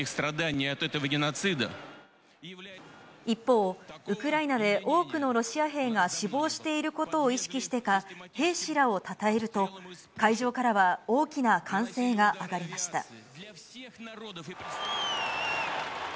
一方、ウクライナで多くのロシア兵が死亡していることを意識してか、兵士らをたたえると、会場からは大きな歓声が上がりました。